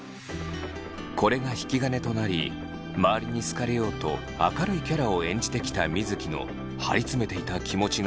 これが引き金となり周りに好かれようと明るいキャラを演じてきた水城の張り詰めていた気持ちが切れたのです。